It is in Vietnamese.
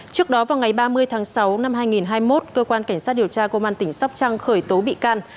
trước đó vào ngày ba mươi tháng sáu năm hai nghìn hai mươi một cơ quan cảnh sát điều tra công an tỉnh sóc trăng khởi tố bị can